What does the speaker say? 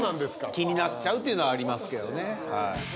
気になっちゃうっていうのありますけどね。